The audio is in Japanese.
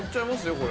これ。